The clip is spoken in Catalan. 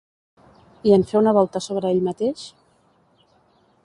I en fer una volta sobre ell mateix?